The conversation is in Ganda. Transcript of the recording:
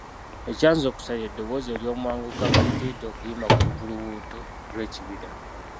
Ekyanzuukusa lye ddoboozi ery'omwanguka nga lituyita okuyima ku lubuubuuto lw'ekibira.